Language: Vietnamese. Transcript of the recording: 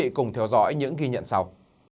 hãy cùng theo dõi những ghi nhận sau